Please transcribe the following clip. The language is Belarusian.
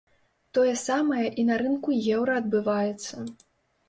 Тое самае і на рынку еўра адбываецца.